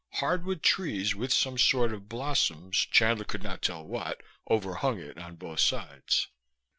Hardwood trees with some sort of blossoms, Chandler could not tell what, overhung it on both sides.